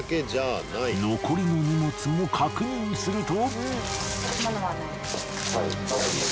残りの荷物も確認すると。